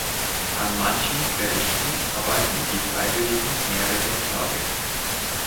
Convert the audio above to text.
An manchen Berichten arbeiten die Freiwilligen mehrere Tage.